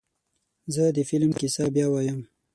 زه د فلم کیسه بیا وایم.